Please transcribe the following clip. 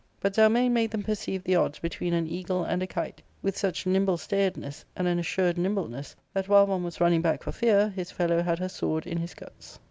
But Zelmane made them perceive the odds between an eagle and a kite, with such nimble stayedness, and an assured nimbleness, that,, while one was running back for fear, his fellow had her sword in bis guts.